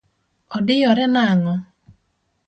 Odiyore nang’o?